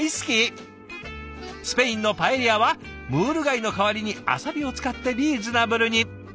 スペインのパエリアはムール貝の代わりにアサリを使ってリーズナブルに。